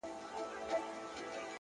په مخه دي د اور ګلونه،